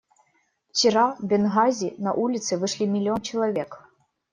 Вчера в Бенгази на улицы вышли миллион человек.